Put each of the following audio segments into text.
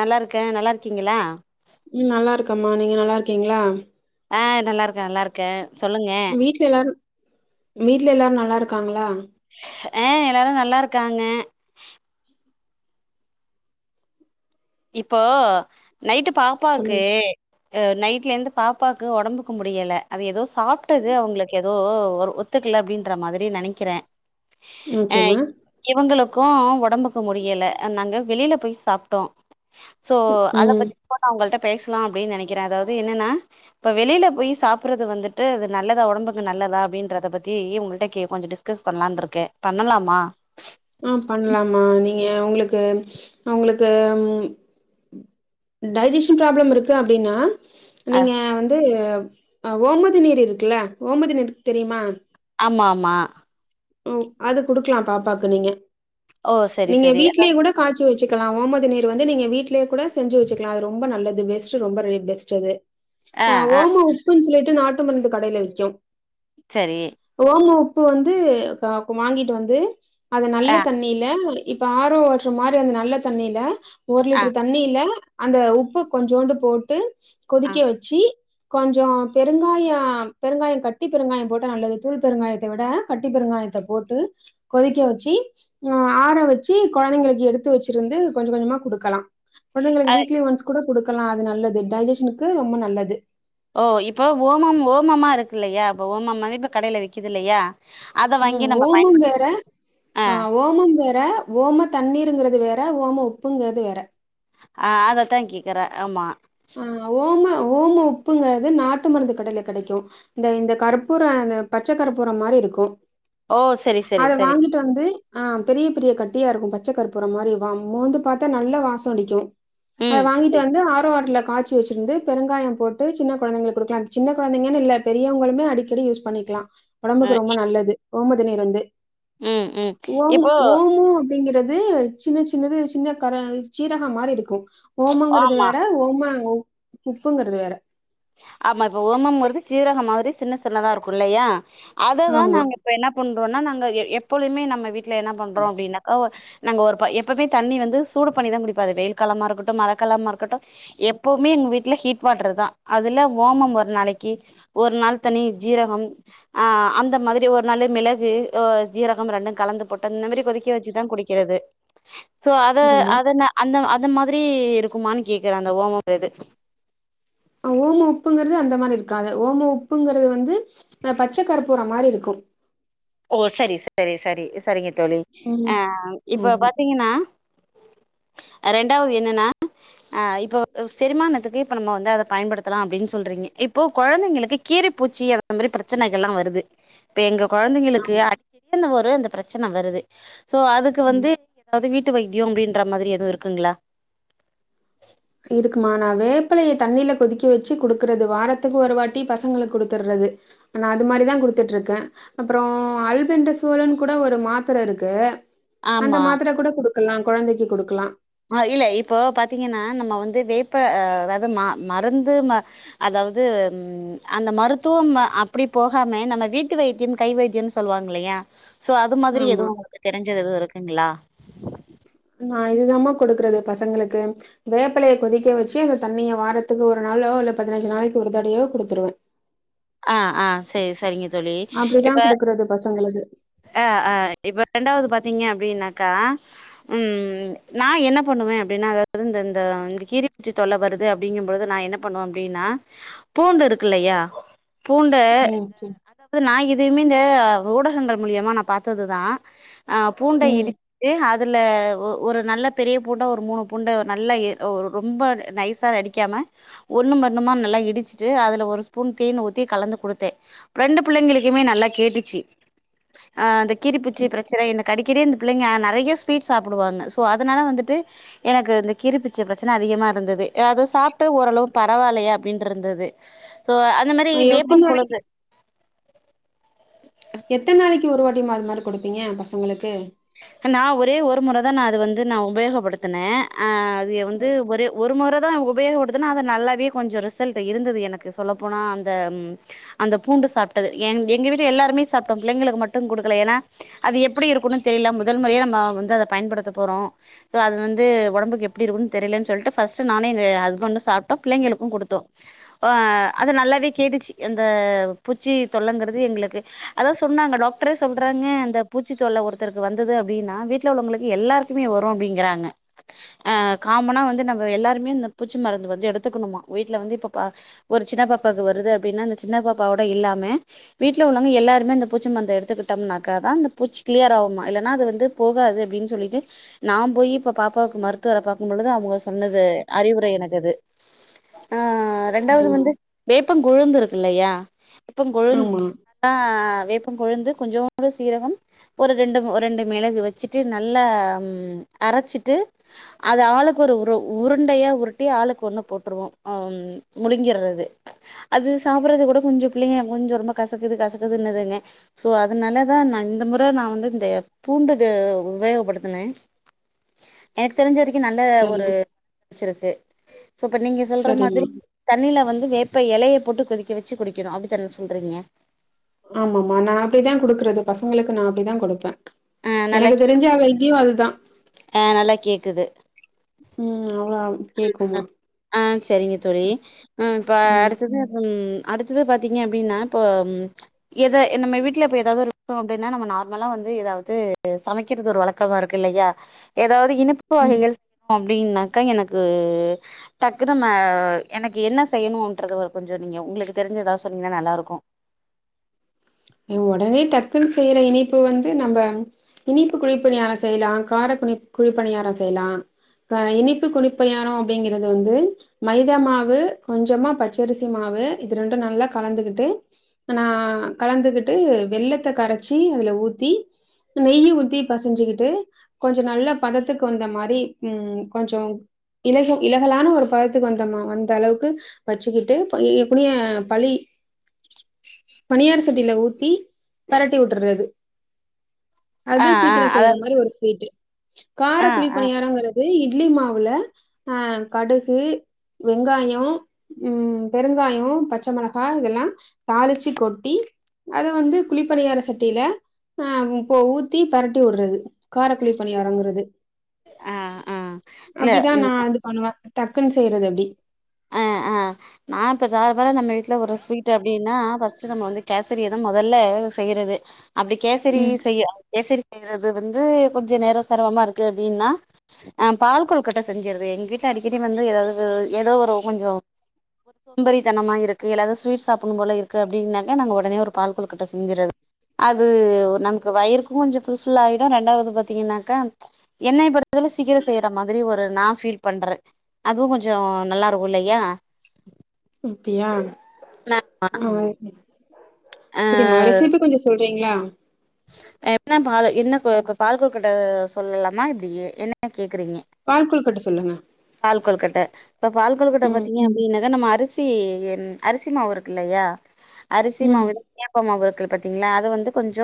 நல்லாருக்க நல்லாருக்கீங்களா உம் நல்லா இருக்கம்மா நீங்க நல்லா இருக்கீங்களா ஆ நல்லாயிருக்கேன் நல்லாருக்கேன் வீட்ல எல்லாரும் வீட்ல எல்லாரும் நல்லா இருக்காங்களா ஆ எல்லாரு நல்லா இருக்காங்க இப்போ நைட்டு பாப்பாக்கு சொல்லுங்க. ஹ் நைட்ல இருந்து பாாப்பாக்கு ஒடம்புக்கு முடியல அது ஏதோ சாப்பிட்டது அவங்களுக்கு ஏதோ ஒரு ஒத்துக்கல அப்டின்ற மாரி நெனைக்கிறேன் அஹ் ஓகேம்மா. இவேங்களுக் கும் ஒடம்புக்கு முடியல அ நாங்க வெளியில போய் சாப்பிட்டோம் சோ அத ம். பத்தி போனா அவங்கள்ட்ட பேசலாம் அபபடின்னு நினைக்கிறேன் அதாவது என்னன்னா இப்ப வெளியில போய் சாப்பறது வந்துட்டு அது நல்லதா உடம்புக்கு நல்லதா அப்படின்றத பத்தி உங்கள்கிட்ட கொஞ்சம் டிஸ்கஸ் பண்ணலாம் இருக்கேன் பண்ணலாமா ஆஹ் பண்ணலாமா நீங்க உங்களுக்கு நா உங்களுக்கு டைஜஷன் ப்ராப்ளம் இருக்கு அப்டின்னா அ நீங்க வந்து அஹ் ஓமதி நீர் இருக்குல்ல ஓமதி நீருக் தெரியுமா ஆமா ஆமா உம் அது குடுக்கலாம் பாப்பாக்கு நீங்க ஓ சரி நீங்க சரி அதா வீட்லேயே கூட காய்ச்சி வச்சு க்கலாம் ஓமதி நீர் வந்து நீ வீட்லயே கூட செஞ்ச வச்சுக்கலாம் அது ரொம்ப நல்லது வெஸ்ட் ரொம்ப ர பெஸ்ட் அது ஆ ஆஹ் ஆ ஓமா உப்புன்னு சொல்லிட்டு ட்டு நாட்டு மருந்து கடைல விக்கும் சரி ஓம உப்பு வந்து கக்கும் வாங்கிட்டு வந்து அத நல்ல ஆ தண்ணியில இப்ப ஆர்வோ வாட்டர் மாதிரி அந்த நல்ல தண்ணில ஒரு ஆ லிட்டர் தண்ணி இல்ல அந்த உப்பு கொஞ்சோண்டு போட்டு ஆ கொதிக்க வச்சு கொஞ்சோம் பெருங்காயம் பெருங்காயம் கட்டி பெருங்காயம் போட்டா நல்லது தூள் பெருங்காயத்தை விட கட்டி பெருங்காய த்த போட்டு கொதிக்க வச்சுஹ் ஆற வச்சு குழந்தைங்களுக்கு எடுத்து வச்சிருந்து கொஞ்சம் கொஞ்சமா குடுக்கலாம் அ கொழந்தைங்களுக்கு வீக்லி ஒன்ஸ் கூட கொடு கலாம் அது நல்லது டைஜஷனுக்கு ரொம்ப நல்லது ஓ இப்போ ஓமம் ஓமமா இருக்குல்லையா அப்ப ஓமம்மாவே இப்ப கடையில விக்குது இல்லையா அத உம் வாங்கி நம்ம ஓமும் பயன்படு வேற ஆ ஆஹ் ஓமம் வே ற ஓம தண்ணீருங்கிறது வேற ஓம உப்புங்கிறது வேற ஆஹ் அதத்தான் கேக்குற ஆமா ஆஹ் ஓமா ஓம உப்புங்கிறது நாட்டு மருந்து கடல கிடைக்கு இந்த இந்த கற்பூரம் இந்த பச்சை கற்பூரம் மாதிரி இருக்கு ஓ சரி சரி அத சரி வாங்கிட்டு வந்து ஆஹ் பெரிய பெரிய கட்டியா இருக்கும் பச்சை கற்பூர மாதிரி வந்து பார்த்தா நல்லா வாசம் அடிக்கும் அத ம் வாங்கிட்டு சரி வந்து ஆரோ வாட்டர்ல காச்சி வச்சிருந்து பெருங்காயம் போட்டு சின்ன குழந்தைங்களுக்கு குடுக்லாம் சின்ன குழந்தைங்கன் இல்ல பெரியவங்களுமே அடிக்கடி யூஸ் பண்ணிக்லா உடம்புக்கு ரொம்ப நல்லது ஓமதுன இருந்து உம் உம் இப்போ அப்படிங்கறிறது சின்ன சின்னது சின்ன கர சீரகம் மாதிரி இருக்கும் ஆமா ஓமங்கறது வேற ஓமா உப்புங்கறது வேற ஆமா இப்ப ஓமம்வருது சீரக மாதிரி சின்ன சின்னதா இருக்கு இல்லையா அததான் ஆமா நாங்க இப்ப என்ன பண் னா நாங்க எப்போழுமே நம்ம வீட் ல என்ன பண்றோம் அப்படின்னாக்கா நாங்கள் ஒரு எப்பவுமே தண்ணி வந்து சூடு பண்ணிதான் குடிப்பாரு வெயில் காலமாக இருக்கட்டும மழை காலமாக இருக்கட்டு எப்போவுமே எங்க வீட்ல ஹீட் வாட்டர் தான் அதுல ஓமம் ஒரு நாளைக்கு ஒரு நாள் தனி ஜீரகம் ஆஹ் அந்த மாதிரி ஒரு நாள் மிளகு அஹ் ஜீரகம் ரெண்டும் கலந்து போட்ட இந்த மாதிரி கொதிக்க வச்சுதான் குடிக்கிறது சோ அது சரிம்மா அதன அந்த அந்த மாதிரி இருக்குமான்னு கேக்குறேன் அந்த ஓமம் இது ஹ் ஓம உப்புங்கறது அந்த மாதிரி இருக்காது ஓம உப்புங்கறது வந்து அஹ் பச்சை கற்பூற மாதிரி இருக்கு ஓ சரி சரி சரி சரிங்க தோழி ம் அஹ் இப்ப ஆமா பாத்தீங்கன்னா ரெண்டாவது என்னன்னா ஆஹ் இப்ப செரிமானத்துக்கு இப்ப நம்ம வந்து அதை பயன்படுத்தலாம் அப்படின்னு சொல்றீங்க இப்போ குழந்தைங்களுக்கு கீரைப்பூச்சி அந்த மாதிரி பிரச்சனைகள் எல்லாம் வருது இப்ப எங்க குழந்தை [unintelligible] ஆமா அந்த பிரச்சனை வருது சோ அதுக்கு வந்து ம் ஏதாவது வீட்டு ட்டு வைத்தியம் அப்படின்ற மாதிரி எதுவும் இருக்குங்களா இருக்குமா நான் வேப்பலையை தண்ணியில கொதிக்க வச்சு குடுக்குறது வாரத்துக்கு ஒரு வாட்டி பசங்களுக்கு குடுத்துடுறது நான் அது மாதிரிதான் குடுத்துட்டு இருக்கேன் அப்புறம் அல்பெண்ட சோழன் கூட ஒரு மாத்தர இருக்கு அந்த ஆமா மாத்திர கூட குடு இருக்கலாம் குழந்தைக்கு குடுக்கலாம் ஆஹ் இல்ல இப்போ பாத்தீங்கன்னா நம்ம வந்து வேப்ப வெதமா மருந்து ம அதாவது அந்த மருத்துவம் அப்படி போகாமே நம்ம வீட்டு வைத்தியம் கை வைத்தியம்னு சொல்லுவாங்க இல்லையா சோ அது மாதிரி ஆமா எதுவும் உங்களுக்கு தெரிஞ்சது எது இருக்கு ங்களா நான் இதுதாம்மா குடுக்குறது பசங்களுக்கு வேப்ப இலையை கொதிக்க வச்சு அந்த தண்ணிய வாரத்துக்கு ஒரு நாளோ இல்ல பதினஞ்சு நாளைக்கு ஒரு தடவையோ குடுத்துருவேன் ஆஹ் ஆஹ் சரி சரிங்க தோழி அப்டிதா இப்ப குடுக்குறது பசங்களுக்கு ஆஹ் ஆஹ் இப்ப ரெண்டாவது பாத்தீங்க அப்டின்னாக்கா ம் நா என்ன பண்ணுவே அப்படின்னா அதாவது இந்த இந்த கீரிப்பூச்சி தொல்ல வருது அப்படிங்கும்போது நா என்ன பண்ணுவே அப்படின்னா பூண்டு இருக்கு இல்லையா பூண்ட ம் சரி அதாவது நாயி இதயுமே இந்த ஊடகங்கள் மூலியமா நா பாத்ததுதா ஆ பூண்ட ம் இடிச்சி அது அதுல ஒ ஒரு நல்ல பெரிய பூண்ட ஒரு மூணு பூண்ட நல்ல எ ஒ ரொம்ப நைசா அடிக்காம ஒன்னு மன்னுமா நல்லா இடிச்சிட்டு அதுல ஒரு ஸ்பூன் தேன் ஊத் கலந்து குடுத்தே ரெண்டு பிள்ளைங்களுக்குமே நல்லா கேட்டுச்சி அந்த கீரீப்பூச்சி பிரச்சன எனக் அடிக்கடி இந்த பிள்ளைங்க நெறைய ஸ்வீட் சாப்பிடுவாங்க சோ அதனால வந்துட்டு எனக்கு இந்த கீரீப்பூச்சி பிரச்சன அதிகமா இருந்தது அத சாப்ட்டு ஓரளவு பரவால்லையா அப்படின்னு இருந்தது சோ அந்த மாரி அ எத்தன் நாளைக்கு [unintelligible] எத்தன் நாளைக்கு ஒரு வாட் அப்டி மாரி மாரி குடுப்பீங்க பசங்களுக்கு நா அத வந்து நா உபயோகப்படுத்துனே ஆ திய வந்து ஒரு ஒரு முற உபயோகப்படுதுன்னா நல்லாவே கொஞ்சோ ரிசல்ட் இருந்தது எனக்கு சொல்லப்போனா அந்த அந்த பூண்டு சாப்ட்டது எங்க வீட்டுல எல்லாருமே சாப்ட்டோ பிள்ளைங்களுக்கு மட்டு குடுக்கல ஏனா அது எப்டி இருக்குனு தெரில முதல் முறையா நாம வந்து அத பயன்படுத்த போறோ சோ அது வந்து ஒடம்புக்கு எப்டி இருக்குன் தெரியிலன் சொல்ட்டு ஃபஸ்ட் நானே எங்க ஹஸ்பண்ட சாப்ட்டோ பிள்ளைங்களுக்கு குடுத்தோ ஆ அது நல்லாவே கேட்டுச்சு அந்த பூச்சி தொல்லங்கிறது எங்களுக்கு அதா சொன்னாங்க டாக்டரே சொல்றாங்க அந்த பூச்சி தொல்ல ஒரு ஒருத்தருக்கு வந்தது அப்டீன்னா வீட்ல உள்ளவங்களுக்கு எல்லாருக்குமே வரு அப்டிங்கிறாங்க ஆ காமனா வந்து நம்ம எல்லாருமே இந்த பூச்சி மருந்து வந்து எடுத்துக்குணுமா வீட்ல வந்து இப்ப ப ஒரு சின்ன பாப்பாக்கு வருது அப்படின்னா அந்த சின்ன பாப்பாவோட இல்லாம வீட்ல உள்ளவங்க எல்லாருமே அந்த பூச்சி மருந்து எடுத்துக்கிட்டம்னாக்கா தா அந்த பூச்சி கிளியராகு குமா இல்லன்னா அது வந்து போகாது அப்படின் சொல்லிட்டு நா போய் இப்ப பாப்பாவுக்கு மருத்துவர பாக்கும் பொழுது அவுங்க சொன்னது அறிவுரை எனக்கு அது ஆ ரெண்டாவது சரிம்மா வந்து பே வேப்பங் கொழுந்து இருக்கு இல்லையா வேப்பங் கொழுந் ஆமா அதா வேப்பம் கொழுந்து கொஞ்சோன்டு சீரகம் ஒரு ரெண்டு ரெண்டு மிளகு வச்சிட்டு நல்லா ம் அரச்சிட்டு அது ஆளுக்கு ஒரு உரு உருண்டையா உருட்டி ஆளுக்கு ஒண்ணு போட்டுருவோ ஆம் முழிங்கிறது அது சாப்பறது கூட கொஞ்சோ பிள்ளைங்க கொஞ்சோ இருந்தா கசக்குது கசக்குதுன்னுதுங்க சோ அதனாலதா நா இந்த முற நா வந்து இந்த பூண்டுக்கு உபயோகப்படுத்துனே எனக்கு தெரிஞ்ச வரிக் நல்ல ஒரு சரிம்மா வச்சிருக்கு இப்ப நீங்க சொல்ற மாதிரி சரிம்மா தண்ணில வந்து வே இப்ப எலைய போட்டு கொதிக்க வச்சு குடிக்கணு அப்படி தான சொல்றீங்க ஆமாமா நா அப்டி தா குடுக்கறது பசங்களுக்கு நா அப்டி தா குடுப்பே ஆ நல்லா எனக்கு கே தெரிஞ்ச அவெ இங்கியு அதுதா ஆ நல்லா கேக்குது ம் அவ்ளா ஆ செரிங்க தோழி இப்ப ம் அடுத்தது ம் அடுத்தது பாத்தீங்க அப்படின்னா இப்போ ம் எத நம்ம வீட்டுல இப்ப ஏதாவது ஒரு அப்படின்னா நம்ம நார்மலா வந்து ஏதாவது சமைக்கிறது ஒரு வழக்கமா இருக்கு இல்லையா அதாவது இனிப்பு ம் வகைகள் செய்யனு அப்டின்னாக்கா எனக்கு கு டக்குனு மே எனக்கு என்ன செய்யணுன்றது ஒரு கொஞ்சோ நீங்க உங்களுக்கு தெரிஞ்ச ஏதாவது சொன்னீங்ன்னா நல்லா இருக்கு நீ ஒடனே டக்குன்னு செய்யற இனிப்பு வந்து நம்ம இனிப்பு குழிப்பணியாரோ செய்யலா கார குனி குழிப்பணியார செய்யலா அ இனிப்பு குணிப்பியாரோ அப்படிங்கிறது வந்து மைதா மாவு கொஞ்சமா பச்சரிசி மாவு இது ரெண்டு நல்லா கலந்துகிட்டு நா கலந்துகிட்டு வெல்லத்த கரைச்சி அதுல ஊத்தி நெய்யு ஊத்தி பசைஞ்சுக்கிட்டு கொஞ்ச நல்ல பதத்துக்கு வந்த மாரி ம் கொஞ்சோ இலக இலகலான ஒரு பதத்துக்கு வந்தற்னு அந்த அளவுக்கு வச்சுக்கிட்டு எப்படியு பழி பணியார சட் தரட்டி வுட்டுறது ஆ அது ஆ சீக்கிர செய்யற அதாவது மாரி ஒரு ஸ்வீட்டு கார ஆ குழி ஆ பணியாராங்கறது இ இட்லி மாவுல ஆ கடுகு வெங்காயோ ம் பெருங்காயோ பச்ச மிளகா இதெல்லா தாளிச்சு கொட்டி அது வந்து குளிப்பணியார சட்டியில ஆ இப்ப ஊத்தி பெரட்டி வுடுறது காரக்குழி பணியாரங்குறது ஆ ஆ இல்ல அப்டிதா நா இது பண்ணுவே டக்குன்னு செய்றது அப்டி அ அ நா இப்ப நாலுபேரா நம்ம வீட்ல ஒரு ஸ்வீட் அப்டின்னா ஃபர்ஸ்ட் நம்ம வந்து கேசரியதா மொதல்ல செய்றது அப்டி கேசரி ம் செய்ய கேசரி செய்றது வந்து கொஞ்ச நேரம் சிரமமா இருக்கு அப்டின்னா அ பால் கொழுக்கட்ட செஞ்சறது எங்க வீட்ல அடிக்கடி வந்து ஏதாவது ஏதோ ஒரு கொஞ்சோ சோம்பேரித்தனமா இருக்கு எல்லாருக்கு ஸ்வீட் சாப்புட்னும் போல இருக்கு அப்டின்னாக்க நாங்க உடனே ஒரு பால் கொழ்கட்ட செஞ்சிட்றது அது நமக்கு வயிறுக்கு கொஞ்ச ஃபுல்ஃபில் ஆயிடும் ரெண்டாவது பாத்தீங்கன்னாக்க என்னய பொருத்தளவு சீக்கிர செய்யற மாதிரி ஒரு நா ஃபீல் பண்றே அதுவும் கொஞ்ச நல்லா ருக்கு இல்லயா அப்டியா அ ஆ செரிம்மா ரெசிப்பி கொஞ்சோ சொல்றீங்களா ஆ என்ன பாலு என்ன பால் கொழுக்கட்ட சொல்லலாமா இப்டி என்ன கேக்குறீங்க பால் கொழுக்கட்ட சொல்லுங்க பால் கொழ்கட்ட இப்ப பால் கொழ்கட்ட ம் பாத்தீங்க அப்டின்னா த நம்ம அரிசி எ அரிசி மாவு இருக்கு இல்லையா அரிசி ம் மாவு இடியாப்ப மாவு இருக்குல பாத்தீங்களா அது வந்து கொஞ்ச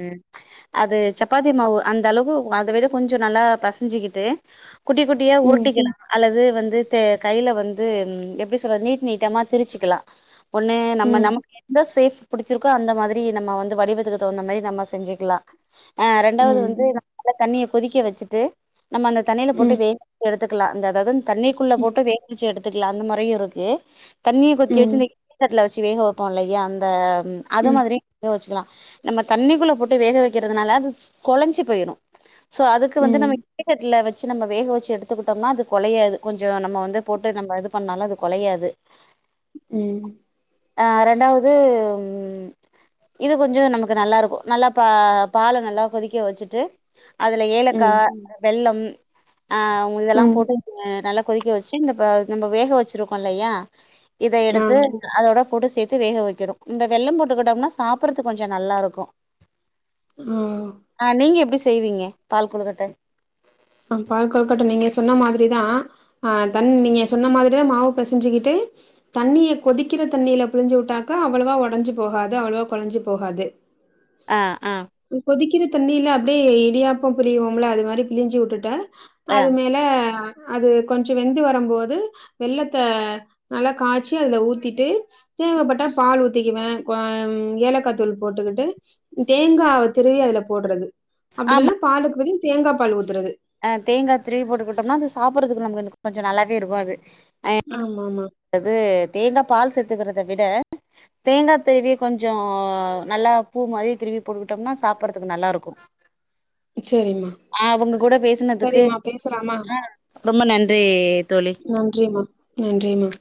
ம் அது சப்பாத்தி மாவு அந்த அளவு அத விட கொஞ்ச நல்லா பசஞ்சிக்கிட்டு குட்டி குட்டியா ம் உருட்டிக்கலா அல்லது வந்து தே கையில வந்து எப்டி சொல்றது நீட் நீட்டமா திரிச்சிக்கலாம் ஒண்ணு நம்ம ம் நமக்கு எந்த சேஃப் புடிச்சிருக்கோ அந்த மாதிரி நம்ம வந்து வடிவதுக்கு தவுந்தமாறி நம்ம செஞ்சிக்கலா ஆ ரெண்டாவது வந்து ம் நல்லா தண்ணிய கொதிக்க வச்சிட்டு நம்ம அந்த தண்ணியில போட்டு ம் வேக எடுத்துக்கலா அந்த அதாவது தண்ணிக்குள்ள போட்டு வேக வச்சி எடுத்து த்துக்கலா அந்த மொறையும் இருக்கு தண்ணிய கொதிக்க வச்சி ம் இந்த தட்ல வெச்சி வேக வைப்போ இல்லயா அ அது ம் மாதிரியு வேக வச்சிக்கலா நம்ம தண்ணிக்குள்ள போட்டு போட்டு வேக வெக்கிறதுனால அது கொலைஞ்சி போயிருனு சோ அதுக்கு வந்து ம் நம்ம இட்லி தட்டுல வச்சு நம்ம வேக வச்சு எடுத்துக்கிட்டோம்னா அது கொலையாது கொஞ்சு நம்ம வந்து போட்டு நம்ம இது பண்ணாலு அது குலையாது உம் ஆ ரெண்டாவது இது கொஞ்சு நமக்கு நல்லா இருக்கு நல்லா பா பால நல்லா கொதிக்க வச்சுட்டு அதுல ஏலக்கா ம் வெள்ளம் ஆ இதெல்லா ம் போட்டு நல்லா கொதிக்க வச்சு சி நம்ம நம்ப வேக வச்சிருக்கோம்ல்லையா இத ஆ எடுத்து அதோட கூட சேர்த்து வேக வெக்கனும் இந்த வெள்ளம் போட்டுக்கிட்டோம்னா சாப்பிடறதுக்கு கொஞ்சு நல்லா இருக்கு ஆ ஆ நீங்க எப்டி செய்வீங்க பால் கொழுக்கட்டை ஆ பால் கொழுகட்டை நீங்க சொன்ன மாதிரிதா ஆ தண் நீங்க சொன்ன மாதிரிதா மாவு பிசைஞ்சுக்கிட்டு தண்ணிய கொதிக்கிற தண்ணியில புழிஞ்சு விட்டாக்க அவ்ளவா உடஞ்சு போகாது அவ்வளவா கொழஞ்சு போகாது ஆ ஆ க்கிர தண்ணியில அப்படியே இடியாப்பம் புழிவோம்ல அது மாதிரி புழஞ்சி விட் ட்ட அ அது மேல அது கொஞ்சு வெந்து வரு போது வெள்ளத்த நல்லா காச்சி அதுல ஊத்திட்டு தேவைப்பட்டா பால் ஊத்திக்குவே ஏலக்காய்த்தூள் போட்டுக்கிட்டு தேங்காவ துருவி அதுல போடுறது அப்படி இல்லைன்னா பாலுக்கு பதி தேங்கா பால் ஊத்துறது ஆ தேங்கா துருவி போட்டுக்கிட்டோம்னா அது சாப்பிடறதுக்கு நம கொஞ்சு நல்லாவே இருக்கு அது ஆமாமா து தேங்கா பால் சேத்துக்கறது அத விட தேங்கா திருவி கொஞ்சு நல்லா பூ மாதிரி திருவி போட்டுக்கிட்டோம்னா சாப்பறதுக்கு நல்லா இருக்கு சேரிம்மா அ உங்க கூட பேசனதுக்கு ரொம்ப நன்றி தோழி நன்றிமா நன்றிமா